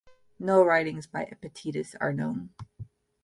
No writings by Epictetus are known.